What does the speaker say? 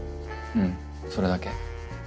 うんそれだけ。